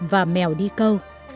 và mèo đi câu